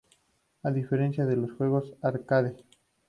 A diferencia de los juegos arcade.